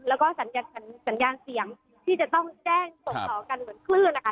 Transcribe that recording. แล้วก็สัญญาณเสียงที่จะต้องแจ้งส่งต่อกันเหมือนคลื่นนะคะ